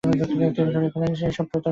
তিনি ধরে ফেলেন যে এসব প্রতারনা।